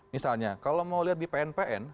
misalnya kalau mau lihat di pn pn